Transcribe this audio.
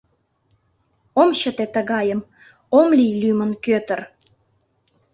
Ом чыте тыгайым, ом лий лӱмын кӧтыр!»